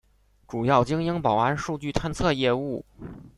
主要经营保安数据探测业务。